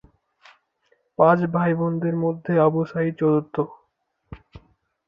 পাঁচ ভাইবোনের মধ্যে আবু সাঈদ চতুর্থ।